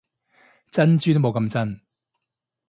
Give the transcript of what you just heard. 珍珠都冇咁真